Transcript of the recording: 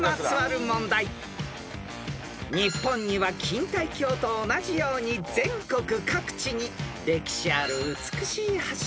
［日本には錦帯橋と同じように全国各地に歴史ある美しい橋が存在します］